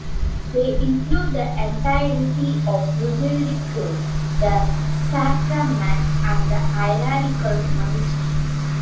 They include the entirety of revealed truth, the sacraments and the hierarchical ministry.